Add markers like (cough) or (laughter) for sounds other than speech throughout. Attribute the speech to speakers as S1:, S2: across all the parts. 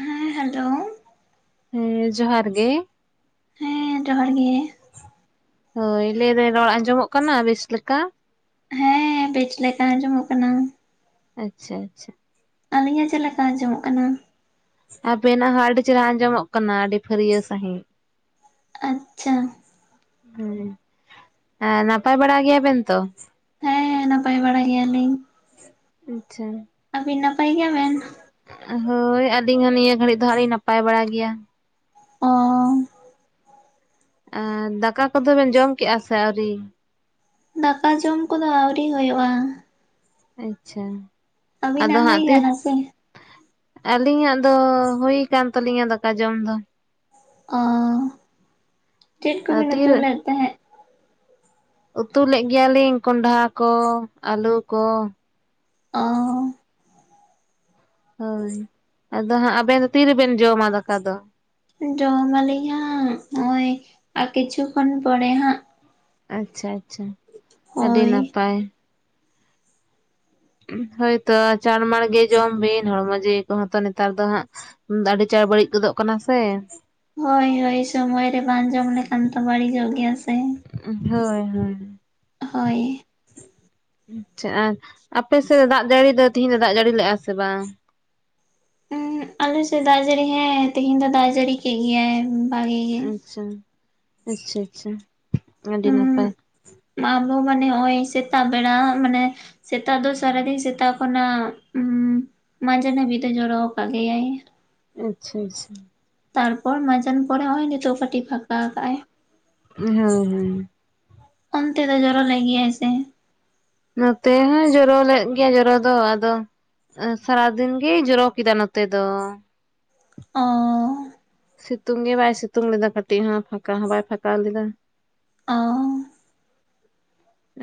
S1: ᱦᱮᱸ ᱦᱮᱞᱳ᱾
S2: ᱦᱮᱸ ᱡᱚᱦᱟᱨ ᱜᱮ ᱾
S1: ᱦᱮᱸ ᱡᱚᱦᱟᱨ ᱜᱮ ᱾
S2: ᱦᱳᱭ ᱞᱟᱹᱭᱫᱟᱹᱧ ᱨᱚᱲ ᱟᱸᱡᱚᱢᱚᱜ ᱠᱟᱱᱟ ᱵᱮᱥ ᱞᱮᱠᱟ?
S1: ᱵᱮᱪ ᱞᱮᱠᱟ ᱟᱸᱡᱚᱢᱚᱜ ᱠᱟᱱᱟ ᱾
S2: ᱟᱪᱪᱷᱟ ᱟᱪᱪᱷᱷᱟ ᱾
S1: ᱟᱹᱞᱤᱧᱟᱜ ᱪᱮᱫ ᱞᱮᱠᱟ ᱟᱸᱡᱚᱢᱚᱜ ᱠᱟᱱᱟ?
S2: ᱟᱵᱮᱱᱟᱜ ᱦᱚᱸ ᱟᱹᱰᱤ ᱪᱮᱦᱮᱨᱟ ᱟᱸᱡᱚᱢᱚᱜ ᱠᱟᱱᱟ ᱟᱹᱰᱤ ᱯᱷᱟᱹᱨᱭᱟᱹ ᱥᱟᱹᱦᱤᱡ ᱾
S1: ᱟᱪᱪᱷᱟᱼᱼ
S2: ᱦᱮᱸ ᱱᱟᱯᱟᱭ ᱵᱟᱲᱟ ᱜᱮᱭᱟᱵᱮᱱ ᱛᱚ?
S1: ᱦᱮᱸ ᱦᱮᱸ ᱱᱟᱯᱟᱭ ᱵᱟᱲᱟ ᱜᱮᱭᱟᱞᱤᱧ ᱾
S2: ᱟᱪᱪᱷᱟ᱾
S1: ᱯᱟᱹᱭ ᱜᱮᱵᱮᱱ?
S2: ᱦᱳᱭ ᱟᱹᱞᱤᱧ ᱦᱚᱸ ᱱᱤᱭᱟᱹ ᱜᱷᱟᱹᱲᱤᱠ ᱫᱚ ᱦᱟᱸᱜ ᱞᱤᱧ ᱱᱟᱯᱟᱭ ᱵᱟᱲᱟ ᱜᱮᱭᱟ ᱾
S1: ᱚ
S2: ᱟᱨ ᱫᱟᱠᱟ ᱠᱚᱫᱚᱵᱮᱱ ᱡᱚᱢ ᱠᱮᱫᱼᱟ ᱥᱮ ᱟᱹᱣᱨᱤ?
S1: ᱫᱟᱠᱟ ᱡᱚᱢ ᱠᱚᱫᱚ ᱟᱹᱣᱨᱤ ᱦᱳᱭᱳᱜᱼᱟ ᱾
S2: ᱟᱪᱪᱷᱟ ᱟᱫᱚ
S1: ᱟᱹᱵᱤᱱᱟᱜ ᱦᱩᱭ
S2: ᱦᱟᱸᱜ ᱛᱤᱨ
S1: ᱠᱟᱱᱟ ᱥᱮ
S2: ᱟᱹᱞᱤᱧᱟᱜ ᱫᱚ ᱦᱳᱭ ᱟᱠᱟᱱ ᱛᱟᱹᱟᱞᱤᱧᱟ ᱫᱟᱠᱟ ᱡᱚᱢ ᱫᱚ ᱾
S1: ᱚ ᱪᱮᱫ
S2: ᱟᱫᱚ
S1: ᱠᱚᱵᱤᱱ
S2: ᱛᱤᱨ
S1: ᱩᱛᱩ ᱞᱮᱫ ᱛᱟᱦᱮᱸᱫ?
S2: ᱩᱛᱩ ᱞᱮᱫ ᱜᱮᱭᱟᱞᱤᱧ ᱠᱚᱱᱰᱷᱟ ᱠᱚ, ᱟᱹᱞᱩ ᱠᱚ ᱾
S1: ᱚᱻ
S2: ᱦᱳᱭ ᱟᱫᱚ ᱦᱟᱸᱜ ᱟᱵᱮᱱ ᱫᱚ ᱛᱤᱨᱮᱵᱮᱱ ᱡᱚᱢᱟ ᱫᱟᱠᱟ ᱫᱚ?
S1: ᱡᱚᱢ ᱢᱟᱞᱤᱧ ᱦᱟᱸᱜ ᱱᱚᱜᱼᱚᱭ ᱟᱨ ᱠᱤᱪᱷᱩ ᱠᱷᱚᱱ ᱯᱚᱨᱮ ᱦᱟᱸᱜ ᱾
S2: ᱟᱪᱪᱷᱟ ᱟᱪᱪᱷᱟ ᱟᱹᱰᱤ
S1: ᱦᱳᱭ
S2: ᱱᱟᱯᱟᱭ ᱾ ᱦᱳᱭᱛᱚ ᱪᱟᱲᱢᱟᱲᱜᱮ ᱡᱚᱢ ᱵᱤᱱ ᱦᱚᱲᱢᱚ ᱡᱤᱣᱤ ᱠᱚᱦᱚᱸ ᱛᱚ ᱱᱮᱛᱟᱨ ᱫᱚ ᱦᱟᱸᱜ ᱟᱹᱰᱤ ᱪᱟᱬ ᱵᱟᱹᱲᱤᱡ ᱜᱚᱫᱚᱜ ᱠᱟᱱᱟ ᱥᱮ ᱾
S1: ᱦᱳᱭ ᱦᱳᱭ ᱥᱳᱢᱚᱭ ᱨᱮ ᱵᱟᱝ ᱡᱚᱢ ᱞᱮᱠᱷᱟᱱ ᱛᱚ ᱵᱟᱹᱲᱤᱡᱚᱜ ᱜᱮᱭᱟ ᱥᱮ ᱾
S2: ᱩᱸᱷ, ᱦᱳᱭ -ᱦᱳᱭ ᱾
S1: ᱦᱚᱭ ᱾
S2: ᱟᱪ-ᱪᱷᱟ ᱟᱨ, ᱟᱯᱮ ᱥᱮᱫ ᱫᱟᱜ ᱡᱟᱹᱲᱤ ᱫᱚ ᱛᱤᱦᱤᱧ ᱫᱚ ᱫᱟᱜ ᱡᱟᱹᱲᱤ ᱞᱮᱫᱼᱟ ᱥᱮ ᱵᱟᱝ?
S1: ᱩᱸᱦᱩᱸᱜ ᱟᱞᱮ ᱥᱮᱫ ᱫᱟᱜ ᱡᱟᱹᱲᱤ ᱦᱮᱸ ᱛᱤᱦᱤᱧ ᱫᱚ ᱫᱟᱜ ᱡᱟᱹᱲᱤ ᱠᱮᱜ ᱜᱮᱭᱟᱭ ᱵᱷᱟᱜᱮᱹ ᱜᱮ ᱾
S2: ᱪᱷᱟ- ᱟ-ᱪᱪᱷᱟ -ᱪᱷᱟ, ᱟᱰᱤ ᱱᱟᱯᱟᱭ ᱾
S1: ᱢᱟᱢᱞᱳ ᱢᱟᱱᱮ ᱱᱚᱜᱼᱚᱭ ᱭ ᱥᱮᱛᱟᱜ ᱵᱮᱲᱟ ᱢᱟᱱᱮ ᱥᱮᱛᱟᱜ ᱫᱚ ᱥᱟᱨᱟᱫᱤᱱ ᱥᱮᱛᱟᱜ ᱠᱷᱚᱱᱟᱜ ᱩᱸᱷ ᱢᱟᱡᱟᱱ ᱦᱟᱹᱵᱤᱡ ᱫᱚ ᱡᱚᱨᱚ ᱠᱟᱜ ᱜᱮᱭᱟᱭ ᱾
S2: ᱟᱪ-ᱥ-ᱪᱷᱟ -ᱥ-ᱪᱷᱟ ᱾
S1: ᱛᱟᱨᱯᱚᱨ ᱢᱟᱡᱟᱱ ᱯᱚᱨᱮ ᱚᱸᱜ-ᱚᱸᱭ ᱱᱤᱛᱚᱜ ᱠᱟᱴᱤᱡ ᱯᱷᱟᱠᱟ ᱠᱟᱜ ᱟᱭ ᱾
S2: ᱩᱸᱜ ᱦᱮᱸᱭ ᱦᱮᱸᱭ ᱾
S1: ᱚᱱᱛᱮ ᱫᱚ ᱡᱚᱨᱚ ᱞᱮᱜ ᱜᱮᱭᱟᱭ ᱥᱮ?
S2: ᱱᱚᱛᱮ ᱦᱚᱸ ᱡᱚᱨᱚ ᱞᱮᱫ ᱜᱮᱭᱟ ᱡᱚᱨᱚ ᱫᱚ ᱟᱫᱚ ᱾ ᱟᱨ ᱥᱟᱨᱟᱫᱤᱱ ᱜᱮᱭ ᱡᱚᱨᱚ ᱠᱮᱫᱟ ᱱᱚᱛᱮ ᱫᱚ ᱾
S1: ᱚ ᱾
S2: ᱥᱤᱛᱩᱝ ᱜᱮ ᱵᱟᱭ ᱥᱤᱛᱩᱝ ᱞᱮᱫᱟ ᱠᱟᱴᱤᱡ ᱦᱚᱸ ᱯᱷᱟᱸᱠᱟ ᱦᱚᱸ ᱵᱟᱭ ᱯᱷᱟᱸᱠᱟᱣ ᱞᱮᱫᱟ ᱾
S1: ᱚ-ᱚᱸ ᱾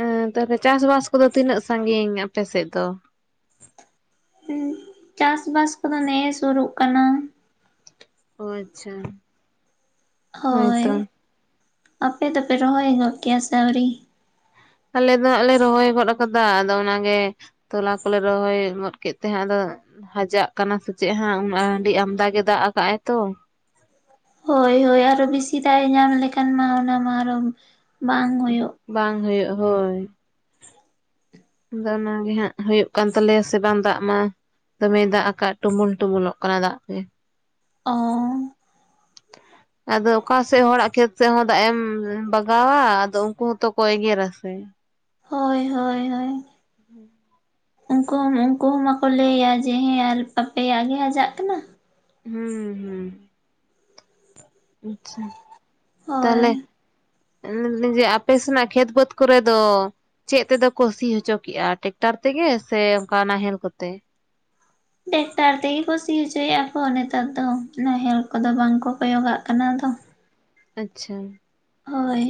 S2: ᱮᱸ ᱛᱟᱞᱦᱮ ᱪᱟᱥ ᱵᱟᱥ ᱠᱚᱫᱚ ᱛᱤᱱᱟᱹᱜ ᱥᱟᱺ ᱜᱤᱧ ᱟᱯᱮ ᱥᱮᱫ ᱫᱚ?
S1: ᱪᱟᱥ ᱵᱟᱥ ᱠᱚᱫᱚ ᱱᱮ ᱮ ᱥᱳᱨᱳᱜ ᱠᱟᱱᱟ ᱾
S2: ᱚ ᱟᱪᱪᱷᱟ ᱾
S1: ᱦᱚᱭ, ᱟᱯᱮ ᱫᱚᱯᱮ ᱨᱚᱦᱚᱭ ᱜᱚᱫ ᱠᱮᱭᱟ ᱥᱮ ᱟᱣᱨᱤ?
S2: ᱟᱞᱮ ᱫᱚ ᱟᱞᱮ ᱦᱚᱸᱜ-ᱚ ᱞᱮ ᱨᱚᱦᱚᱭ ᱜᱚᱫ ᱠᱟᱫᱟ ᱟᱫᱚ ᱚᱱᱟᱜᱮ ᱛᱚᱞᱟ ᱠᱚᱞᱮ ᱨᱚᱦᱚᱭ ᱜᱚᱫ ᱠᱮᱫ ᱛᱮ ᱟᱫᱚ ᱦᱟᱡᱟᱜ ᱠᱟᱱᱟ ᱥᱮ ᱪᱮᱜ ᱦᱟᱸᱜ ᱟᱹᱰᱤ ᱟᱢᱫᱟ ᱜᱮ ᱫᱟᱜ ᱟᱠᱟᱜ ᱟᱭ ᱛᱚ ᱾
S1: ᱦᱳᱭ ᱦᱳᱭ ᱟᱨᱚ ᱵᱤᱥᱤ ᱫᱟᱜ ᱮ ᱧᱟᱢ ᱞᱮᱠᱷᱟᱱ ᱢᱟ ᱚᱱᱟ ᱢᱟ ᱟᱨᱚ ᱵᱟᱝ ᱦᱳᱭᱳᱜ ᱾
S2: ᱵᱟᱝ ᱦᱳᱭᱳᱜ, ᱦᱳᱭ ᱾ ᱟᱫᱚ ᱚᱱᱟᱜᱮ ᱦᱟᱸᱜ ᱦᱳᱭᱳᱜ ᱠᱟᱱ ᱛᱟᱞᱮᱭᱟ ᱥᱮ ᱵᱟᱝ ᱫᱟᱜ ᱢᱟ ᱫᱚᱢᱮ ᱫᱟᱜ ᱠᱟᱜ ᱴᱩᱢᱩᱞ ᱴᱩᱢᱩᱞᱚᱜ ᱠᱟᱱᱟ ᱫᱟᱜ ᱛᱮ ᱾
S1: ᱚ--ᱚᱝ᱾
S2: ᱟᱫᱚ ᱚᱠᱟ ᱥᱮᱜ ᱦᱚᱲᱟᱜ ᱠᱷᱮᱛ ᱥᱮᱜ ᱦᱚᱸ ᱫᱟᱜ ᱮᱢ ᱵᱟᱜᱟᱣᱟ ᱟᱫᱚ ᱩᱱᱠᱩ ᱦᱚᱸᱛᱚ ᱠᱚ ᱮᱜᱮᱨᱟ ᱥᱮ ᱾
S1: ᱦᱳᱭ- ᱦᱳᱭ -ᱦᱳᱭ ᱾ ᱩᱱᱠᱩ ᱦᱚᱸ ᱩᱱᱠᱩ ᱦᱚᱸ ᱢᱟᱠᱚ ᱞᱟᱹᱭᱟ ᱡᱮ ᱦᱮᱸ ᱟᱨ ᱟᱯᱮᱭᱟᱜ ᱜᱮ ᱦᱟᱡᱟᱜ ᱠᱟᱱᱟ ᱾
S2: ᱦᱩ- ᱦᱩᱸ ᱾ ᱟᱪ-ᱪᱷᱟ,
S1: ᱦᱳᱭ
S2: ᱛᱟᱞᱦᱮ ᱢᱮᱫᱟᱹᱧ ᱡᱮ ᱟᱯᱮ ᱥᱮᱱᱟᱜ ᱠᱷᱮᱛ ᱵᱟᱹᱫᱽ ᱠᱚᱨᱮ ᱫᱚ ᱪᱮᱜ ᱛᱮᱫᱚ ᱠᱚ ᱥᱤ ᱦᱚᱪᱚ ᱠᱮᱜᱼᱟ ᱴᱮᱠᱴᱟᱨ ᱛᱮᱜᱮ ᱥᱮ ᱚᱱᱠᱟ ᱱᱟᱦᱮᱞ ᱠᱚᱛᱮ?
S1: ᱴᱮᱠᱴᱟᱨ ᱛᱮᱜᱮ ᱠᱩ ᱥᱤ ᱦᱚᱪᱚᱭᱮᱜ ᱟᱠᱚ ᱱᱮᱛᱟᱨ ᱫᱚ ᱱᱟᱦᱮᱞ ᱠᱚᱫᱚ ᱵᱟᱝ ᱠᱚ ᱠᱚᱭᱚᱜᱟᱜ ᱠᱟᱱᱟ ᱟᱫᱚ ᱾
S2: ᱟᱪ-ᱪᱷᱟ ᱾
S1: ᱦᱚᱭ ᱾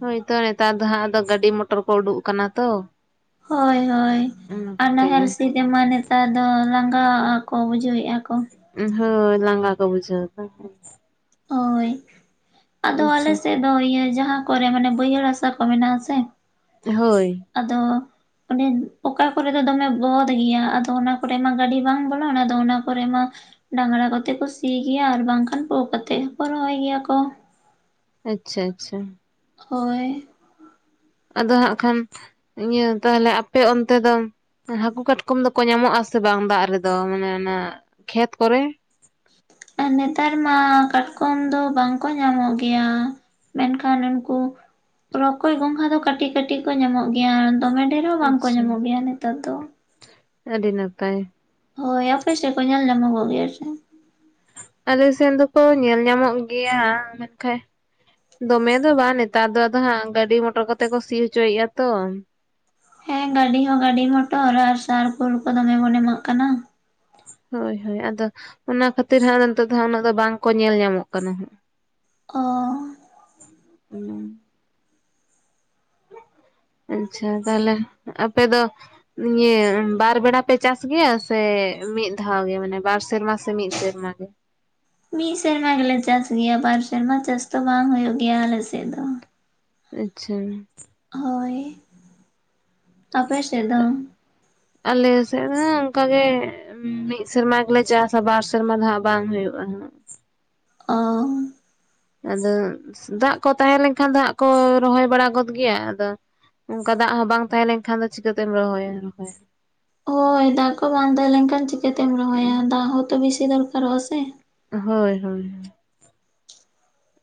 S2: ᱦᱳᱭᱛᱚ ᱱᱮᱛᱟᱨ ᱫᱚ ᱦᱟᱸᱜ ᱫᱚ ᱜᱟᱹᱰᱤ ᱢᱚᱴᱚᱨ ᱠᱚ ᱩᱰᱩᱜ ᱠᱟᱱᱟ ᱛᱚ ᱾
S1: ᱦᱳᱭ -ᱦᱳᱭ, ᱟᱨ ᱱᱟᱦᱮᱞ
S2: ᱜᱮ
S1: ᱥᱤ ᱡᱮᱢᱟ ᱱᱮᱛᱟᱨ ᱫᱚ ᱞᱟᱸᱜᱟ ᱟᱠᱚ ᱵᱩᱡᱷᱟᱹᱣᱮᱜᱼᱟ ᱟᱠᱚ ᱾
S2: ᱩᱸ ᱦᱳᱭ ᱞᱟᱸᱜᱟ ᱠᱚ ᱵᱩᱡᱟᱹᱣᱫᱟ ᱾
S1: ᱦᱳᱭ, ᱟᱫᱚ
S2: ᱟᱪᱪᱷᱟ
S1: ᱟᱞᱮ ᱥᱮᱫ ᱫᱚ ᱤᱭᱟᱹ ᱡᱟᱦᱟᱸ ᱠᱚᱨᱮ ᱢᱟᱱᱮ ᱵᱟᱹᱭᱦᱟᱹᱲ ᱦᱟᱥᱟ ᱠᱚ ᱢᱮᱱᱟᱜᱼᱟ ᱥᱮ
S2: ᱦᱳᱭ ᱾
S1: ᱟᱫᱚᱻ ᱾ ᱚᱸᱰᱱᱮ ᱚᱠᱟ ᱠᱚᱨᱮ ᱫᱚ ᱫᱚᱢᱮ ᱵᱚᱫᱷ ᱜᱮᱭᱟ ᱾ ᱟᱫᱚ ᱚᱱᱟ ᱠᱚᱨᱮ ᱢᱟ, ᱜᱟᱹᱰᱤ ᱵᱟᱝ ᱵᱚᱞᱚᱱᱟ ᱟᱫᱚ ᱚᱱᱟ ᱠᱚᱨᱮ ᱢᱟ ᱰᱟᱝᱨᱟ ᱠᱚᱛᱮ ᱠᱚ ᱥᱤ ᱜᱮᱭᱟ᱾ ᱟᱨ ᱵᱟᱝᱠᱷᱟᱱ ᱯᱳ ᱠᱟᱛᱮ ᱦᱚᱸᱠᱚ ᱨᱚᱦᱚᱭ ᱜᱮᱭᱟ ᱠᱚ ᱾
S2: ᱟᱪᱪᱷᱟ - ᱟᱪᱪᱷᱟ
S1: ᱦᱳᱭ
S2: ᱟᱫᱚ ᱦᱟᱸᱜ ᱠᱷᱟᱱ, ᱤᱭᱟᱹ ᱛᱟᱞᱦᱮ ᱟᱯᱮ ᱚᱱᱛᱮ ᱫᱚ ᱾ ᱦᱟᱹᱠᱩ ᱠᱟᱴᱠᱚᱢ ᱫᱚ-ᱠᱚ ᱧᱟᱢᱚ-ᱜ ᱟᱥᱮ ᱵᱟᱝ᱾ ᱫᱟᱜ ᱨᱮᱫᱚ ᱢᱟᱱᱮ ᱚᱱᱟ ᱠᱷᱮᱛ ᱠᱚᱨᱮ?
S1: ᱟᱨ ᱱᱮᱛᱟᱨ ᱢᱟ, ᱠᱟᱴᱠᱚᱢ ᱫᱚ ᱵᱟᱝᱠᱚ ᱧᱟᱢᱚ-ᱜ ᱜᱮᱭᱟ ᱾ ᱢᱮᱱᱠᱷᱟᱱ ᱩᱱᱠᱩ ᱨᱚᱠᱚᱡ ᱜᱚᱝᱜᱷᱟ ᱫᱚ ᱪᱮ ᱠᱟᱹᱴᱤᱡ - ᱠᱟᱹᱴᱤᱡ ᱠᱚ ᱧᱟᱢᱚ-ᱜ ᱜᱮᱭᱟ ᱾ᱫᱚᱢᱮ ᱰᱮ ᱨᱮ ᱵᱟᱝᱠᱚ
S2: ᱟᱪᱪᱷᱟ
S1: ᱧᱟᱢᱚ-ᱜ ᱜᱮᱭᱟ᱾ ᱱᱮᱛᱟᱨ ᱫᱚ?
S2: ᱟᱹᱰᱤ ᱱᱟᱯᱟᱭ
S1: ᱦᱳᱭ ᱚᱯᱮ ᱥᱮ ᱠᱚ ᱧᱮᱞ ᱧᱟᱢᱜᱚ-ᱜ ᱜᱮ ᱥᱮ?
S2: ᱟᱞᱮᱥᱮᱱ ᱫᱚ-ᱠᱚ ᱧᱮᱞ ᱧᱟᱢᱚ-ᱜ ᱜᱮᱭᱟ᱾ ᱢᱮᱱᱠᱷᱟᱡ ᱫᱚᱢᱮ ᱫᱚ ᱵᱟᱝ᱾ ᱱᱮᱛᱟᱨ ᱫᱚ ᱟᱫᱚ ᱦᱟᱸᱜ ᱜᱟᱹᱰᱤ ᱢᱚᱸᱴᱚᱨ ᱠᱚᱛᱮ ᱠᱚ, ᱥᱤ ᱦᱚᱪᱚᱭᱮ-ᱜ ᱟᱛᱚ ᱾
S1: ᱦᱮᱸ ᱜᱟᱹᱰᱤ ᱦᱚᱸ ᱜᱟᱹᱰᱤ ᱢᱚᱴᱚᱨ, ᱟᱨ ᱥᱟᱨ ᱯᱷᱳᱞ ᱠᱚ ᱫᱚᱢᱮ ᱵᱚᱱ ᱮᱢᱟᱜ ᱠᱟᱱᱟ᱾
S2: ᱦᱳᱭ, ᱦᱳᱭ ᱟᱫᱚ ᱚᱱᱟ ᱠᱷᱟᱹᱛᱤᱨ ᱦᱟᱸᱜ, ᱱᱤᱛᱚᱜ ᱫᱚ ᱩᱱᱟᱹᱜ ᱫᱚ ᱵᱟᱝ ᱠᱚ ᱧᱮᱞ ᱧᱟᱢᱚ-ᱜ ᱠᱟᱱᱟ ᱾ᱦᱟᱜ
S1: ᱚᱸ
S2: ᱦᱩᱸ ᱟᱪᱪᱷᱟ ᱛᱟᱦᱞᱮ ᱟᱯᱮ ᱫᱚ ᱱᱤᱭᱟᱹ ᱵᱟᱨ ᱵᱮᱲᱟ ᱯᱮ ᱪᱟᱥ ᱜᱮᱭᱟ᱾ ᱥᱮ ᱢᱤᱫ ᱫᱷᱟᱣ ᱜᱮ, ᱢᱟᱱᱮ ᱵᱟᱨ ᱥᱮᱨᱢᱟ ᱥᱮ ᱢᱤᱫ ᱥᱮᱨᱢᱟ ᱜᱮ?
S1: ᱢᱤᱫ ᱥᱮᱨᱢᱟ ᱜᱮᱞᱮ ᱪᱟᱥ ᱜᱮᱭᱟ᱾ ᱵᱟᱨ ᱥᱮᱨᱢᱟ ᱪᱟᱥ ᱫᱚ ᱵᱟᱝ ᱦᱩᱭᱩ-ᱜ ᱜᱮᱭᱟ᱾ ᱟᱞᱮᱥᱮᱜ ᱫᱚ᱾
S2: ᱟᱪᱪᱷᱟ
S1: ᱦᱳᱭ ᱾ᱟᱯᱮ ᱥᱮᱫ ᱫᱚ?
S2: ᱟᱞᱮ ᱥᱮᱜ ᱦᱚᱸ ᱚᱱᱠᱟᱜ ᱜᱮ ᱢᱤᱫ ᱥᱮᱨᱢᱟ ᱜᱮᱞᱮ ᱪᱟᱥ-ᱟ᱾ ᱵᱟᱨ ᱥᱮᱨᱢᱟ ᱫᱚ ᱦᱟᱜ ᱵᱟᱝ ᱦᱩᱭᱩᱜ-ᱟ ᱾ᱦᱟᱜ
S1: ᱚᱸ
S2: ᱟᱫᱚ ᱫᱟᱜ ᱠᱚ ᱛᱟᱦᱮᱸ ᱞᱮᱱᱠᱷᱟᱱ, ᱫᱟᱜ ᱠᱚ ᱨᱚᱦᱚᱭ ᱵᱟᱲᱟ ᱜᱚᱫ ᱜᱮᱭᱟ᱾ ᱟᱫᱚ ᱚᱱᱠᱟ ᱫᱟᱜ ᱦᱚᱸ ᱵᱟᱝ ᱛᱟᱦᱮᱸ ᱞᱮᱱ ᱠᱷᱟᱱ ᱫᱚ᱾ ᱪᱤᱠᱟᱹᱛᱮᱢ ᱨᱚᱦᱚᱭᱟ᱾ ᱨᱚᱦᱚᱭᱟ᱾
S1: ᱦᱳᱭ ᱫᱟᱜ ᱠᱚ ᱵᱟᱝ ᱛᱟᱦᱮᱸ ᱞᱮᱱᱠᱷᱟᱱ ᱪᱤᱠᱟᱹᱛᱮᱢ ᱨᱚᱦᱚᱭᱟ᱾ ᱫᱟᱜ ᱦᱚᱸᱛᱚ ᱵᱮᱥᱤ ᱫᱚᱨᱠᱟᱨᱚᱜ-ᱟ ᱥᱮ᱾
S2: ᱦᱳᱭ - ᱦᱳᱭᱼᱦᱳᱭ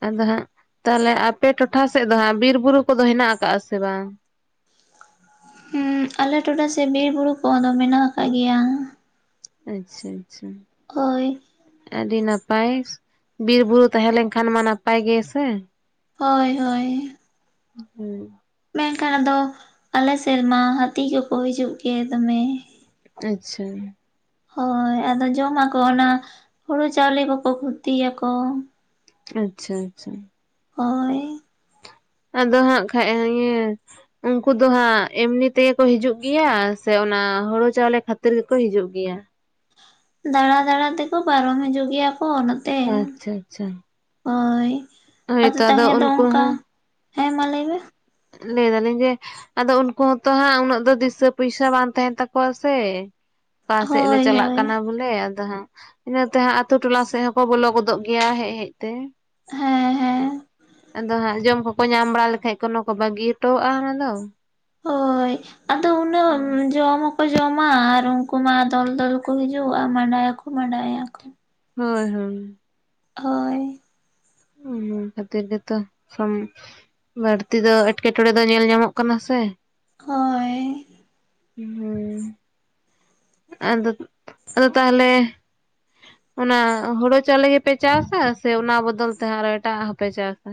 S2: ᱟᱫᱚ ᱦᱟᱸᱜ ᱛᱟᱦᱚᱞᱮ ᱟᱯᱮ ᱴᱚᱴᱷᱽᱟ ᱥᱮᱫ ᱫᱚ ᱦᱟᱸᱜ, ᱵᱤᱨ ᱵᱩᱨᱩ ᱠᱚᱼᱫᱚ ᱦᱮᱱᱟᱜ ᱟᱠᱟᱜ-ᱟ ᱥᱮ ᱵᱟᱝ?
S1: ᱦᱩᱸ ᱟᱞᱮ ᱴᱚᱴᱷᱽᱟ ᱥᱮᱜ ᱵᱤᱨ ᱵᱩᱨᱩ ᱠᱚᱼᱫᱚ ᱢᱮᱱᱟᱜ ᱟᱠᱟᱜ ᱜᱮᱭᱟ᱾
S2: ᱟᱪᱪᱷᱟ - ᱟᱪᱪᱷᱟ᱾
S1: ᱦᱳᱭ
S2: ᱟᱹᱰᱤ ᱱᱟᱯᱟᱭ ᱵᱤᱨ ᱵᱩᱨᱩ ᱛᱟᱦᱮᱸ ᱞᱮᱱ ᱠᱷᱟᱱ ᱢᱟ᱾ ᱱᱟᱯᱟᱭ ᱜᱮ ᱥᱮ
S1: ᱦᱳᱭ - ᱦᱳᱭ᱾
S2: ᱦᱩᱸ
S1: ᱢᱮᱱᱠᱷᱟᱱ ᱟᱫᱚ ᱟᱞᱮ ᱥᱮᱨᱢᱟ, ᱦᱟᱹᱛᱤ ᱠᱚᱼᱠᱚ ᱦᱤᱡᱩᱜ ᱜᱮ ᱫᱚᱢᱮ᱾
S2: ᱟᱪᱪᱷᱟ
S1: ᱦᱳᱭ ᱟᱫᱚ ᱡᱚᱢᱟᱠᱚ ᱚᱱᱟ, ᱦᱩᱲᱩ ᱪᱟᱣᱞᱮ ᱠᱚᱼᱠᱚ ᱠᱷᱚᱛᱤᱭᱟᱠᱚ᱾
S2: ᱟᱪᱪᱷᱟ - ᱟᱪᱪᱷᱟ
S1: ᱦᱳᱭ
S2: ᱟᱫᱚ ᱦᱟᱸᱜ ᱠᱷᱟᱡ ᱤᱭᱟᱹ ᱩᱱᱠᱩ ᱫᱚ ᱦᱟᱸᱜ ᱮᱢᱱᱤ ᱛᱮᱜᱮ ᱠᱚ ᱦᱤᱡᱩᱜ ᱜᱮᱭᱟ᱾ ᱥᱮ ᱚᱱᱟ ᱦᱩᱲᱩ ᱪᱟᱣᱞᱮ ᱠᱷᱟᱹᱛᱤᱨ ᱜᱮᱠᱚ ᱦᱤᱡᱩᱜ ᱜᱮᱭᱟ᱾
S1: ᱫᱟᱬᱟᱸ ᱫᱟᱬᱟᱸ ᱛᱮᱠᱚ ᱯᱟᱨᱚᱢ ᱦᱤᱡᱩᱼᱜ ᱜᱮᱭᱟ᱾ ᱠᱚ ᱚᱱᱟ
S2: ᱟᱪᱪᱷᱟ - ᱟᱪᱪᱷᱟ᱾
S1: ᱦᱳᱭ ᱾ ᱟᱫᱚ
S2: ᱦᱳᱭᱛᱚ
S1: ᱛᱟᱦᱮ ᱫᱚ
S2: ᱩᱱᱠᱩ
S1: ᱚᱱᱠᱟ
S2: ᱦᱚᱸ
S1: ᱦᱮᱸ ᱢᱟ ᱞᱟᱹᱭ ᱢᱮ ᱾
S2: ᱞᱟᱹᱭ ᱫᱟᱞᱤᱧ ᱡᱮ ᱟᱫᱚ ᱩᱱᱠᱩ ᱦᱚᱸᱛᱚ ᱦᱟᱸᱜ, ᱩᱱᱟᱹᱜ ᱫᱚ ᱫᱤᱥᱟᱹ ᱯᱚᱭᱥᱟ ᱵᱟᱝ ᱛᱟᱦᱮᱱ ᱛᱟᱠᱚᱣᱟ ᱥᱮ ᱾ ᱚᱠᱟ ᱥᱮᱜ ᱞᱮ
S1: ᱦᱳᱭ
S2: ᱪᱟᱞᱟᱜ
S1: ᱦᱳᱭ
S2: ᱠᱟᱱᱟ ᱵᱚᱞᱮ ᱾ ᱟᱫᱚ ᱦᱟᱸᱜ ᱤᱱᱟᱹ ᱛᱮᱦᱟᱸᱜ ᱟᱛᱳ ᱴᱚᱞᱟ ᱥᱮᱜ ᱦᱚᱸ ᱠᱚ ᱵᱚᱞᱚ ᱜᱚᱫᱚᱜ ᱜᱮᱭᱟ ᱦᱮᱡ ᱦᱮᱡᱛᱮ
S1: ᱦᱮᱸ ᱦᱮᱸ
S2: ᱾ ᱟᱫᱚ ᱦᱟᱸᱜ ᱡᱚᱢ ᱠᱚᱠᱚ ᱧᱟᱢ ᱵᱟᱲᱟ ᱞᱮᱠᱷᱟᱡ ᱠᱚᱱᱚ ᱠᱚ ᱵᱟᱹᱜᱤ ᱦᱚᱴᱚᱣᱟᱜ-ᱟ ᱚᱱᱟ ᱫᱚ ᱾
S1: ᱦᱳᱭ ᱟᱫᱚ ᱩᱱᱟᱹᱜ ᱡᱚᱢ ᱦᱚᱸᱠᱚ ᱡᱚᱢᱟ ᱟᱨ ᱩᱱᱠᱩ ᱢᱟ ᱫᱚᱞ, ᱫᱚᱞ ᱠᱚ ᱦᱤᱡᱩᱜ-ᱟ ᱟᱨ ᱢᱟᱸᱰᱟᱭᱟᱠᱚ ᱾ ᱢᱟᱰᱟᱭᱟ ᱠᱚ ᱾
S2: ᱦᱳᱭ, ᱦᱳᱭ ᱾
S1: ᱦᱳᱭ ᱾
S2: ᱦᱩᱸ ᱦᱟᱛᱤ ᱜᱮᱛᱚ ᱥᱚᱢ ᱵᱟᱹᱲᱛᱤ ᱫᱚ ᱮᱴᱠᱮᱴᱚᱬᱮ ᱫᱚ ᱧᱮᱞ ᱧᱟᱢᱚᱜ ᱠᱟᱱᱟ ᱥᱮ ᱾
S1: ᱦᱳᱭ ᱾
S2: ᱦᱩᱸ ᱟᱫᱚ, ᱟᱫᱚ ᱛᱟᱦᱚᱞᱮ ᱚᱱᱟ ᱦᱩᱲᱩ ᱪᱟᱣᱞᱮ ᱜᱮᱯᱮ ᱪᱟᱥᱟ ᱥᱮ ᱚᱱᱟ ᱵᱚᱫᱚᱞ ᱛᱮ ᱟᱨᱚ ᱮᱴᱟᱜ ᱦᱚᱸᱯᱮ ᱪᱟᱥᱟ?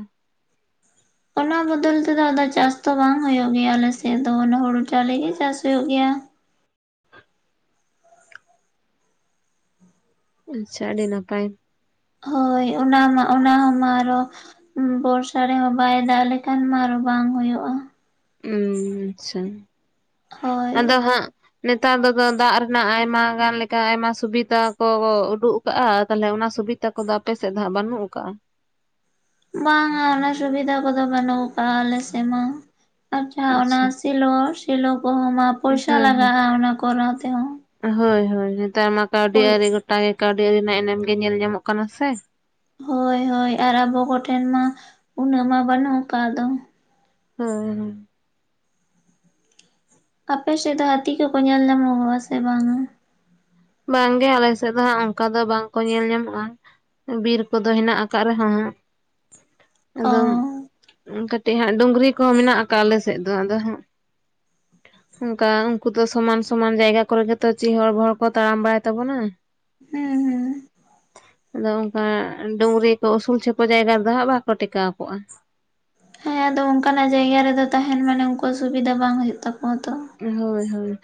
S1: ᱚᱱᱟ ᱵᱚᱫᱚᱞ ᱛᱮᱫᱚ ᱟᱫᱚ ᱪᱟᱥ ᱫᱚ ᱵᱟᱝ ᱦᱩᱭᱩᱜ ᱜᱮᱭᱟ ᱟᱞᱮᱥᱮᱫ ᱫᱚ, ᱚᱱᱟ ᱦᱩᱲᱩ ᱪᱟᱣᱞᱮ ᱜᱮ ᱪᱟᱥ ᱦᱩᱭᱩᱜ ᱜᱮᱭᱟ ᱾
S2: ᱟᱪᱪᱷᱟ ᱟᱹᱰᱤ ᱱᱟᱯᱟᱭ ᱾
S1: ᱦᱳᱭ ᱾ ᱚᱱᱟ ᱢᱟ ᱚᱱᱟ ᱦᱚᱸ ᱢᱟ ᱟᱨ ᱦᱚᱸ ᱵᱚᱨᱥᱟ ᱨᱮ ᱦᱚᱸ ᱵᱟᱭ ᱫᱟᱜ ᱞᱮᱠᱷᱟᱱ ᱢᱟ ᱟᱨ ᱦᱚᱸ ᱵᱟᱝ ᱦᱳᱭᱳᱜᱼᱟ ᱾
S2: ᱦᱩᱸ ᱟᱪᱪᱷᱟ ᱾
S1: ᱦᱳᱭ
S2: ᱟᱫᱚ ᱦᱟᱸᱜ ᱱᱮᱛᱟᱨ ᱫᱚ ᱫᱟᱜ ᱨᱮᱱᱟᱜ ᱟᱭᱢᱟ ᱜᱟᱱ ᱞᱮᱠᱟ ᱟᱭᱢᱟ ᱥᱩᱵᱤᱫᱟ ᱠᱚ ᱠᱚ ᱩᱰᱩᱜ ᱠᱟᱜᱼᱟ ᱛᱟᱦᱚᱞᱮ ᱚᱱᱟ ᱥᱩᱵᱤᱛᱟ ᱠᱚ ᱫᱚ ᱟᱯᱮ ᱥᱮᱫ ᱫᱚ ᱦᱟᱸᱜ ᱵᱟᱹᱱᱩᱜ ᱠᱟᱜᱼᱟ᱾
S1: ᱵᱟᱝᱼᱟ ᱚᱱᱟ ᱥᱩᱵᱤᱫᱷᱟ ᱠᱚ ᱫᱚ ᱵᱟᱹᱱᱩᱜ ᱠᱟᱜᱟ ᱟᱞᱮᱥᱮᱫ ᱢᱟ, ᱟᱨ ᱡᱟᱦᱟ ᱚᱱᱟ
S2: ᱟᱪᱪᱷᱟ
S1: ᱼᱼ ᱥᱮᱞᱳ, ᱥᱮᱞᱳ ᱠᱚ ᱦᱚᱸ ᱢᱟ ᱯᱚᱭᱥᱟ
S2: ᱦᱳᱭ ᱦᱳᱭ
S1: ᱞᱟᱜᱟᱜᱼᱟ ᱚᱱᱟ ᱠᱚᱨᱟᱣ ᱛᱮ ᱦᱚᱸ᱾
S2: ᱦᱳᱭ, ᱦᱳᱭ ᱾ ᱱᱮᱛᱟᱨ ᱢᱟ ᱠᱟᱹᱣᱰᱤ ᱟᱹᱨᱤ ᱜᱚᱴᱟ ᱜᱮ ᱠᱟᱹᱣᱰᱤ ᱟᱹᱨᱤ ᱨᱮᱱᱟᱜ ᱮᱱᱮᱢ ᱜᱮ ᱧᱮᱞ ᱧᱟᱢᱚᱜ ᱠᱟᱱᱟ ᱥᱮ ᱾
S1: ᱦᱳᱭ, ᱦᱳᱭ ᱟᱨ ᱟᱵᱚ ᱠᱚᱴᱷᱮᱱ ᱢᱟ ᱩᱱᱟᱹᱜ ᱢᱟ ᱵᱟᱹᱱᱩᱜ ᱠᱟᱜ ᱫᱚ ᱾
S2: ᱦᱩᱸ, ᱦᱩᱸ ᱾
S1: ᱟᱯᱮ ᱥᱮᱫ ᱫᱚ ᱦᱟᱹᱛᱤ ᱠᱚ ᱠᱚ ᱧᱮᱞ ᱧᱟᱢᱚᱜᱚᱜᱼᱟ ᱥᱮ ᱵᱟᱝ-ᱟ?
S2: ᱵᱟᱝ ᱜᱮ ᱟᱞᱮ ᱥᱮᱫ ᱫᱚ ᱦᱟᱸᱜ ᱚᱝᱠᱟ ᱫᱚ ᱵᱟᱝ ᱠᱚ ᱧᱮᱞ ᱧᱟᱢᱚᱜᱼᱟ ᱾ ᱵᱤᱨ ᱠᱚ ᱫᱚ ᱦᱮᱱᱟᱜ ᱟᱠᱟᱫ ᱨᱮ ᱦᱚᱸ
S1: ᱚ
S2: ᱟᱫᱚ
S1: ᱦᱩᱸ
S2: ᱠᱟᱹᱴᱤᱡ ᱦᱟᱸᱜ ᱰᱩᱝᱨᱤ ᱠᱚ ᱦᱚᱸ ᱢᱮᱱᱟᱜ ᱠᱟᱜᱼᱟ ᱟᱞᱮ ᱥᱮᱫ ᱫᱚ ᱟᱫᱚ ᱦᱟᱸᱜ ᱾ ᱚᱝᱠᱟ ᱩᱜᱠᱩ ᱫᱚ ᱥᱚᱢᱟᱱ ᱥᱚᱢᱟᱱ ᱡᱟᱭᱜᱟ ᱠᱚᱨᱮ ᱜᱮᱛᱚ ᱪᱤᱦᱚᱲ ᱵᱤᱦᱚᱲ ᱠᱚ ᱛᱟᱲᱟᱢ ᱵᱟᱲᱟᱭ ᱛᱟᱵᱚᱱᱟ ᱾
S1: ᱦᱩᱸ, ᱸ ᱦᱩᱸ ᱾
S2: ᱟᱫᱚ ᱚᱝᱠᱟ ᱰᱩᱝᱨᱤ ᱠᱚ ᱩᱥᱩᱞ ᱪᱷᱮᱯᱚ ᱡᱟᱭᱜᱟ ᱨᱮ ᱫᱚ ᱦᱟᱸᱜ ᱵᱟᱠᱚ ᱴᱮᱠᱟᱣ ᱠᱚᱜᱼᱟ᱾
S1: ᱦᱮᱸ ᱟᱫᱚ ᱚᱱᱠᱟᱱᱟᱜ ᱡᱟᱭᱜᱟ ᱨᱮ ᱫᱚ ᱛᱟᱦᱮᱱ ᱢᱟᱱᱮ ᱩᱱᱠᱩᱣᱟᱜ ᱥᱩᱵᱤᱫᱟ ᱵᱟᱝ ᱦᱳᱭᱳᱜ ᱛᱟᱠᱚᱣᱟ ᱛᱚ ᱾
S2: ᱦᱳᱭ, ᱦᱳᱭ᱾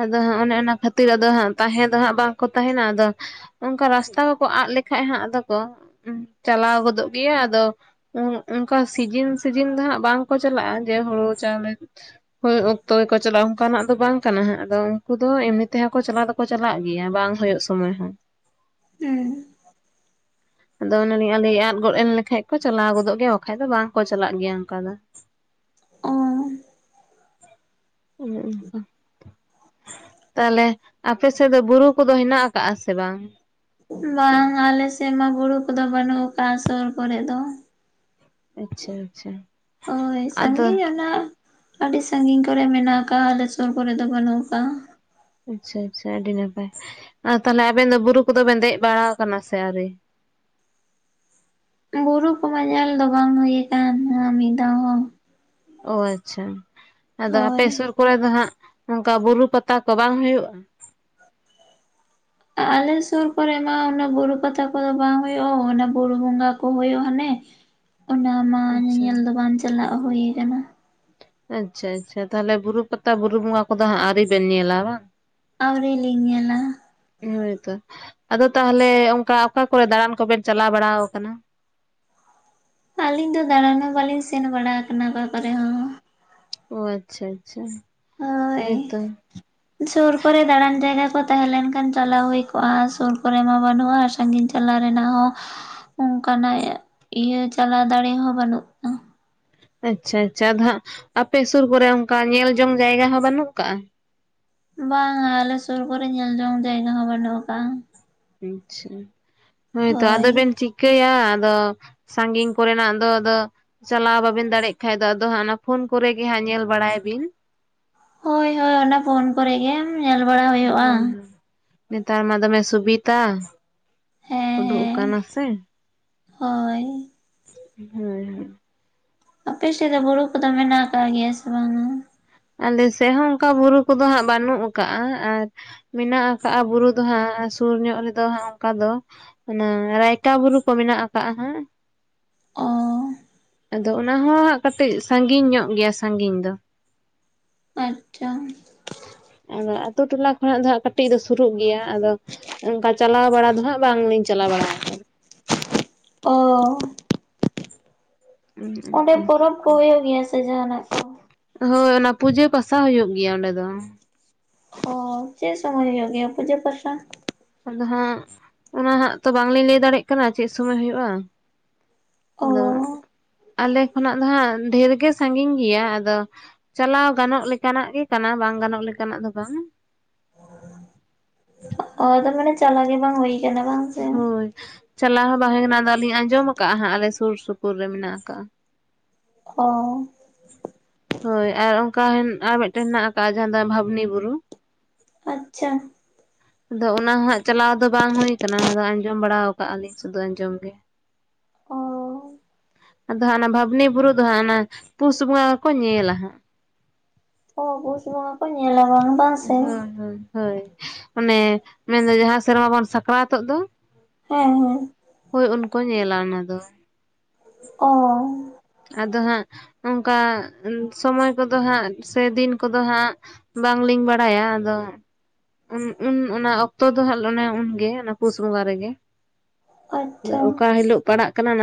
S2: ᱟᱫᱚ ᱦᱟᱸᱜ ᱚᱱᱮ ᱚᱱᱟ ᱠᱷᱟᱹᱛᱤᱨ ᱟᱫᱚ ᱦᱟᱸᱜ ᱛᱟᱦᱮᱸ ᱫᱚ ᱦᱟᱸᱜ ᱵᱟᱝ ᱠᱚ ᱛᱟᱦᱮᱱᱟ᱾ ᱟᱫᱚ ᱚᱱᱠᱟ ᱨᱟᱥᱛᱟ ᱠᱚ ᱠᱚ ᱟᱫᱚ ᱞᱮᱠᱷᱟᱡ ᱦᱟᱸᱜ ᱟᱫᱚ ᱠᱚ ᱪᱟᱞᱟᱣ ᱜᱚᱫᱚᱜ ᱜᱮᱭᱟ᱾ ᱟᱫᱚ ᱚᱱᱠᱟ ᱥᱤᱡᱤᱱ ᱥᱤᱡᱤᱱ ᱫᱚ ᱦᱟᱸᱜ ᱵᱟᱝ ᱠᱚ ᱪᱟᱞᱟᱜᱼᱟ ᱡᱮ ᱦᱩᱲᱩ ᱪᱟᱣᱞᱮ ᱦᱳᱭᱳᱜ ᱚᱠᱛᱚ ᱜᱮ ᱠᱚ ᱪᱟᱞᱟᱜ ᱚᱱᱠᱟᱱᱟᱜ ᱫᱚ ᱵᱟᱝ ᱠᱟᱱᱟ ᱦᱟᱸᱜ ᱟᱫᱚ ᱩᱱᱠᱩ ᱫᱚ ᱮᱢᱱᱤ ᱛᱮ ᱦᱚᱸ ᱠᱚ ᱪᱟᱞᱟᱜ ᱫᱚ ᱠᱚ ᱪᱟᱞᱟᱜ ᱜᱮᱭᱟ ᱵᱟᱝ ᱦᱳᱭᱳᱜ ᱥᱚᱢᱚᱭ ᱦᱚᱸ ᱾
S1: ᱦᱩᱸ ᱾
S2: ᱟᱫᱚ ᱚᱱᱮᱱ ᱟᱞᱮ ᱟᱫ ᱜᱚᱫ ᱮᱱ ᱞᱮᱠᱷᱟᱡ ᱠᱚ ᱪᱟᱞᱟᱣ ᱜᱚᱫᱚᱜ ᱜᱮᱭᱟ ᱵᱟᱠᱷᱟᱡ ᱫᱚ ᱵᱟᱝ ᱠᱚ ᱪᱟᱞᱟᱜ ᱜᱮᱭᱟ ᱚᱝᱠᱟ ᱫᱚ ᱾ (unintelligible)
S1: ᱚ
S2: ᱚᱱᱮ ᱚᱱᱠᱟ ᱾ ᱛᱟᱞᱦᱮ ᱟᱯᱮ ᱥᱮᱫ ᱫᱚ ᱵᱩᱨᱩ ᱠᱚ ᱫᱚ ᱦᱮᱱᱟᱜ ᱠᱟᱜᱼᱟ ᱥᱮ ᱵᱟᱝ?
S1: ᱵᱟᱝ ᱟᱞᱮ ᱥᱮᱫ ᱢᱟ ᱵᱩᱨᱩ ᱠᱚ ᱫᱚ ᱵᱟᱹᱱᱩᱜ ᱠᱟᱜᱼᱟ, ᱥᱳᱨ ᱠᱚᱨᱮ ᱫᱚ ᱾
S2: ᱟᱪᱪᱷᱟ ᱟᱪᱪᱷᱟ
S1: ᱦᱳᱭ
S2: ᱟᱫᱚ
S1: ᱥᱟᱺᱜᱤᱧ ᱚᱱᱟᱼᱼ ᱟᱹᱰᱤ ᱥᱟᱺᱜᱤᱧ ᱠᱚ ᱨᱮ ᱢᱮᱱᱟᱜ ᱠᱟᱜᱼᱟ, ᱟᱞᱮ ᱥᱳᱨ ᱠᱚᱨᱮ ᱫᱚ ᱵᱟᱹᱱᱩᱜ ᱠᱟᱜᱼᱟ ᱾
S2: ᱟᱪᱪᱷᱟ ᱟᱪᱪᱷᱟ ᱟᱹᱰᱤ ᱱᱟᱯᱟᱭ, ᱟᱨ ᱛᱟᱦᱚᱞᱮ ᱟᱵᱮᱱ ᱫᱚ ᱵᱩᱨᱩ ᱠᱚ ᱫᱚ ᱵᱤᱱ ᱫᱮᱡ ᱵᱟᱲᱟ ᱠᱟᱱᱟ ᱥᱮ ᱟᱹᱣᱨᱤ?
S1: ᱵᱩᱨᱩ ᱠᱚ ᱢᱟ ᱧᱮᱞ ᱫᱚ ᱵᱟᱝ ᱦᱩᱭ ᱠᱟᱱ ᱢᱤᱫ ᱫᱷᱟᱣ ᱦᱚᱸ ᱾
S2: ᱚ ᱟᱪᱪᱷᱟ, ᱟᱫᱚ ᱟᱯᱮ
S1: ᱦᱳᱭ᱾
S2: ᱥᱩᱨ ᱠᱚ ᱨᱮ ᱫᱚ ᱦᱟᱸᱜ ᱚᱱᱠᱟ ᱵᱩᱨᱩ ᱯᱟᱛᱟ ᱠᱚ ᱵᱟᱝ ᱦᱩᱭᱩᱜ?
S1: ᱟᱞᱮ ᱥᱩᱨ ᱠᱚ ᱨᱮ ᱢᱟ ᱚᱱᱟ ᱵᱩᱨᱩ ᱯᱟᱛᱟ ᱠᱚ ᱫᱚ ᱵᱟᱝ ᱦᱳᱭᱳᱜᱼᱟ, ᱚᱱᱟ ᱵᱩᱨᱩ ᱵᱚᱸᱜᱟ ᱠᱚ ᱦᱳᱭᱳᱜ ᱦᱟᱱᱮ ᱾
S2: (inaudible)
S1: ᱚᱱᱟ ᱢᱟ
S2: ᱟᱪᱪᱷᱟ
S1: ᱧᱮᱧᱮᱞ ᱫᱚ ᱵᱟᱝ ᱪᱟᱞᱟᱜ ᱦᱩᱭ ᱠᱟᱱᱟ ᱾
S2: ᱟᱪᱪᱷᱟ ᱟᱪᱪᱷᱟ, ᱛᱟᱦᱚᱞᱮ ᱵᱩᱨᱩ ᱯᱟᱛᱟ ᱵᱩᱨᱩ ᱵᱚᱸᱜᱟ ᱠᱚ ᱫᱚ ᱦᱟᱸᱜ ᱟᱹᱣᱨᱤ ᱵᱮᱱ ᱧᱮᱞᱟ ᱵᱟᱝ ᱾
S1: ᱟᱹᱣᱨᱤ ᱞᱤᱧ ᱧᱮᱞᱟ ᱾
S2: ᱦᱳᱭ ᱛᱚ, ᱟᱫᱚ ᱛᱟᱦᱚᱞᱮ ᱚᱱᱠᱟ ᱚᱠᱟ ᱠᱚ ᱨᱮ ᱫᱟᱬᱟᱱ ᱠᱚᱵᱮᱱ ᱪᱟᱞᱟᱣ ᱵᱟᱲᱟ ᱠᱟᱱᱟ?
S1: ᱟᱹᱞᱤᱧ ᱫᱚ ᱫᱟᱬᱟᱱ ᱦᱚᱸ ᱵᱟᱹᱞᱤᱧ ᱥᱮᱱ ᱵᱟᱲᱟ ᱠᱟᱱᱟ ᱚᱠᱟ ᱠᱚᱨᱮ ᱦᱚᱸ ᱾
S2: ᱚ ᱟᱪᱪᱷᱟ ᱟᱪᱪᱷᱟ ᱾
S1: ᱦᱳᱭ ᱾ ᱥᱩᱨ ᱠᱚᱨᱮ ᱫᱟᱬᱟᱱ ᱡᱟᱭᱜᱟ ᱠᱚ ᱛᱟᱦᱮᱸ ᱞᱮᱱ ᱠᱷᱟᱱ ᱪᱟᱞᱟᱣ ᱦᱩᱭ ᱠᱚᱜᱼᱟ, ᱥᱩᱨ ᱠᱚ ᱨᱮ ᱢᱟ ᱵᱟᱹᱱᱩᱜᱼᱟ ᱾ ᱥᱟᱺᱜᱤᱧ ᱪᱟᱞᱟᱣ ᱨᱮᱱᱟᱜ ᱦᱚᱸ, ᱚᱱᱠᱟᱱᱟᱜ ᱤᱭᱟᱹ ᱪᱟᱞᱟᱣ ᱫᱟᱲᱮ ᱦᱚᱸ ᱵᱟᱹᱱᱩᱜᱼᱟ ᱾
S2: ᱟᱪᱪᱷᱟ ᱟᱪᱪᱷᱟ ᱾ ᱟᱫᱚ ᱦᱟᱸᱜ ᱟᱯᱮ ᱥᱩᱨ ᱠᱚ ᱨᱮ ᱚᱱᱠᱟ ᱧᱮᱞ ᱡᱚᱝ ᱡᱟᱭᱜᱟ ᱦᱚᱸ ᱵᱟᱹᱱᱩᱜ ᱠᱟᱜᱼᱟ?
S1: ᱵᱟᱝᱟ ᱟᱞᱮ ᱥᱳᱨ ᱠᱚ ᱨᱮ ᱧᱮᱞ ᱡᱚᱝ ᱡᱟᱭᱜᱟ ᱦᱚᱸ ᱵᱟᱹᱱᱩᱜ ᱠᱟᱜᱼᱟ ᱾
S2: ᱟᱪᱪᱷᱟ, ᱦᱳᱭ ᱛᱚ ᱟᱫᱚ ᱵᱮᱱ ᱪᱤᱠᱟᱹᱭᱟ ᱟᱫᱚ ᱾ ᱥᱟᱺᱜᱤᱧ ᱠᱚᱨᱮᱱᱟᱜ ᱫᱚ ᱟᱫᱚᱼᱼ ᱪᱟᱞᱟᱣ ᱵᱟᱵᱤᱱ ᱫᱟᱲᱮᱜ ᱠᱷᱟᱡ ᱫᱚ ᱟᱫᱚ ᱦᱟᱸᱜ ᱚᱱᱟ ᱯᱷᱳᱱ ᱠᱚᱨᱮᱜᱮ ᱦᱟᱸᱜ ᱧᱮᱞ ᱵᱟᱲᱟᱭ ᱵᱤᱱ ᱾
S1: ᱦᱳᱭ ᱦᱳᱭ ᱚᱱᱟ ᱯᱷᱳᱱ ᱠᱚᱨᱮᱜ ᱜᱮ ᱾ ᱧᱮᱞ ᱵᱟᱲᱟᱼᱼ
S2: ᱦᱳᱭ ᱦᱳᱭ, ᱱᱮᱛᱟᱨ ᱢᱟ ᱫᱚᱢᱮ ᱥᱩᱵᱤᱛᱟ ᱾
S1: ᱦᱮᱸ
S2: ᱩᱰᱩᱜ ᱠᱟᱱᱟ
S1: ᱦᱮᱸ
S2: ᱥᱮ,
S1: ᱦᱳᱭ
S2: (inaudible) ᱦᱳᱭ ᱦᱳᱭ ᱾
S1: ᱟᱯᱮ ᱥᱮᱫ ᱫᱚ ᱵᱩᱨᱩ ᱠᱚᱫᱚ ᱢᱮᱱᱟᱜ ᱟᱠᱟᱜ ᱜᱮᱭᱟ ᱥᱮ ᱵᱟᱝᱟ?
S2: ᱟᱞᱮᱥᱮᱜ ᱦᱚᱸ ᱚᱱᱠᱟ ᱵᱩᱨᱩ ᱠᱚᱫᱚ ᱦᱟᱸᱜ ᱵᱟᱹᱱᱩᱜ ᱟᱠᱟᱜᱼᱟ ᱟᱨᱼᱼ ᱢᱮᱱᱟᱜ ᱟᱠᱟᱜᱼᱟ ᱵᱩᱨᱩ ᱫᱚ ᱦᱟᱸᱜ ᱥᱩᱨ ᱧᱚᱜ ᱨᱮᱫᱚ ᱦᱟᱸᱜ ᱚᱱᱠᱟ ᱫᱚ ᱾ ᱚᱱᱟ ᱨᱟᱭᱛᱟ ᱵᱩᱨᱩ ᱠᱚ ᱢᱮᱱᱟᱜ ᱟᱠᱟᱜ ᱦᱟᱸᱜ ᱾
S1: ᱚ ᱾
S2: ᱟᱫᱚ ᱚᱱᱟ ᱦᱚᱸ ᱠᱟᱹᱴᱤᱡ ᱥᱟᱺᱜᱤᱧ ᱧᱚᱜ ᱜᱮᱭᱟ ᱥᱟᱺᱜᱤᱧ ᱫᱚ ᱾
S1: ᱟᱪᱪᱷᱟ ᱾
S2: ᱟᱫᱚ ᱟᱛᱩ ᱴᱚᱞᱟ ᱠᱷᱚᱱᱟᱜ ᱫᱚ ᱦᱟᱸᱜ ᱠᱟᱹᱴᱤᱡ ᱫᱚ ᱥᱩᱨᱩᱜ ᱜᱮᱭᱟ ᱾ ᱟᱫᱚ ᱚᱱᱠᱟ ᱪᱟᱞᱟᱣ ᱵᱟᱲᱟ ᱫᱚ ᱦᱟᱸᱜ ᱵᱟᱝᱞᱤᱧ ᱪᱟᱞᱟᱣ ᱵᱟᱲᱟ ᱟᱠᱟᱱᱟ ᱾
S1: (unintelligible) ᱚ ᱾ ᱚᱸᱰᱮ
S2: ᱚᱱᱠᱟ
S1: ᱯᱚᱨᱚᱵᱽ ᱠᱚ ᱦᱳᱭᱳᱜ ᱜᱮᱭᱟ ᱥᱮ ᱡᱟᱸᱦᱟᱱᱟᱜ?
S2: ᱦᱳᱭ ᱚᱱᱟ ᱯᱩᱡᱟᱹ ᱯᱟᱥᱟ ᱦᱩᱭᱩᱜ ᱜᱮᱭᱟ ᱚᱸᱰᱮ ᱫᱚ ᱾
S1: ᱚ ᱪᱮᱫ ᱥᱚᱢᱚᱭ ᱦᱩᱭᱩᱜ ᱜᱮᱭᱟ ᱯᱩᱡᱟᱹ ᱯᱟᱥᱟ?
S2: ᱟᱫᱚ ᱦᱟᱸᱜ, ᱚᱱᱟ ᱦᱟᱸᱜ ᱛᱚ ᱵᱟᱝᱞᱤᱧ ᱞᱟᱹᱭ ᱫᱟᱲᱮᱭᱟᱜ ᱠᱟᱱᱟ ᱪᱮᱫ ᱥᱚᱢᱚᱭ ᱦᱩᱭᱩᱜᱼᱟ ᱾
S1: ᱚ
S2: ᱟᱫᱚᱼᱼ ᱟᱞᱮ ᱠᱷᱚᱱᱟᱜ ᱫᱚ ᱦᱟᱸᱜ ᱰᱷᱮᱨ ᱜᱮ ᱥᱟᱺᱜᱤᱧ ᱜᱮᱭᱟ ᱟᱫᱚ ᱾ ᱪᱟᱞᱟᱣ ᱜᱟᱱᱚᱜ ᱞᱮᱠᱟᱱᱟᱜ ᱜᱮ ᱠᱟᱱᱟ, ᱵᱟᱝ ᱜᱟᱱᱚᱜ ᱞᱮᱠᱟᱱᱟᱜ ᱫᱚ ᱵᱟᱝᱟ ᱾
S1: ᱚ ᱛᱟᱨ ᱢᱟᱱᱮ ᱪᱟᱞᱟᱜ ᱜᱮ ᱵᱟᱝ ᱦᱩᱭ ᱠᱟᱱᱟ ᱵᱟᱝ ᱾
S2: ᱦᱳᱭ ᱪᱟᱞᱟᱣ ᱦᱚᱸ ᱵᱟᱝ ᱦᱩᱭ ᱠᱟᱱᱟ, ᱟᱞᱤᱧ ᱟᱸᱡᱚᱢ ᱟᱠᱟᱜᱼᱟ ᱦᱟᱸᱜ, ᱟᱞᱮ ᱥᱩᱨ ᱥᱩᱯᱩᱨ ᱨᱮ ᱢᱮᱱᱟᱜ ᱟᱠᱟᱜᱼᱟ᱾
S1: ᱚ
S2: ᱦᱳᱭ ᱟᱨ ᱚᱱᱠᱟ ᱟᱨ ᱢᱤᱫᱴᱮᱱ ᱦᱮᱱᱟᱜ ᱟᱠᱟᱜᱼᱟ, ᱡᱟᱦᱟᱸ ᱫᱚ ᱵᱷᱟᱵᱽᱱᱤ ᱵᱩᱨᱩ
S1: ᱟᱪᱪᱷᱟ ᱾
S2: ᱟᱫᱚ ᱚᱱᱟ ᱦᱟᱸᱜ ᱪᱟᱞᱟᱣ ᱫᱚ ᱵᱟᱝ ᱦᱩᱭ ᱟᱠᱟᱱᱟ, ᱟᱫᱚ ᱟᱸᱡᱚᱢ ᱵᱟᱲᱟ ᱟᱠᱟᱫᱼᱟ ᱞᱤᱧ ᱥᱩᱫᱷᱩ ᱟᱸᱡᱚᱢ ᱜᱮ ᱾
S1: ᱚ
S2: ᱟᱫᱚ ᱦᱟᱸᱜ ᱚᱱᱟ ᱵᱷᱟᱵᱽᱱᱤ ᱵᱩᱨᱩ ᱫᱚ ᱦᱟᱸᱜ ᱚᱱᱟ ᱯᱩᱥ ᱵᱚᱸᱜᱟ ᱜᱮᱠᱚ ᱧᱮᱞᱟ ᱦᱟᱸᱜ ᱾
S1: ᱚ ᱯᱳᱥ ᱵᱚᱸᱜᱟ ᱠᱚ ᱧᱮᱞᱟ ᱵᱟᱝ ᱾
S2: ᱦᱳᱭ, ᱦᱳᱭ, ᱦᱳᱭ ᱚᱱᱮ ᱢᱮᱱᱫᱚ ᱡᱟᱦᱟᱸ ᱥᱮᱨᱢᱟ ᱵᱚᱱ ᱥᱟᱠᱨᱟᱛᱚᱜ ᱫᱚ ᱾
S1: ᱦᱮᱸ, ᱦᱮᱸ ᱾
S2: ᱦᱳᱭ ᱩᱱᱠᱩ ᱧᱮᱞᱟ ᱚᱱᱟ ᱫᱚ ᱾
S1: ᱚ
S2: ᱟᱫᱚ ᱦᱟᱸᱜ ᱚᱱᱠᱟ ᱟ ᱥᱚᱢᱚᱭ ᱠᱚᱫᱚ ᱦᱟᱸᱜ ᱥᱮ ᱫᱤᱱ ᱠᱚᱫᱚ ᱦᱟᱸᱜ ᱵᱟᱝᱞᱤᱧ ᱵᱟᱲᱟᱭᱟ ᱟᱫᱚ ᱩᱱ, ᱩᱱ ᱚᱱᱟ ᱚᱠᱛᱚ ᱫᱚ ᱦᱟᱸᱜ ᱚᱱᱮ ᱩᱱᱜᱮ ᱚᱱᱟ ᱯᱩᱥ ᱵᱚᱸᱜᱟ ᱨᱮᱜᱮ ᱾
S1: ᱟᱪᱪᱷᱟ
S2: ᱚᱠᱟ ᱦᱤᱞᱳᱜ ᱯᱟᱲᱟᱜ ᱠᱟᱱᱟ ᱚᱱᱟ